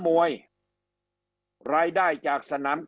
คำอภิปรายของสอสอพักเก้าไกลคนหนึ่ง